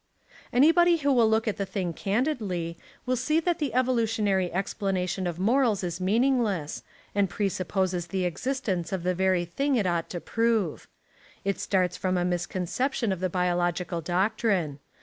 Anybody who will look at the thing candidly, will see that the evolutionary explanation of morals is meaningless, and presupposes the ex istence of the very thing it ought to prove. It starts from a misconception of the biological doctrine.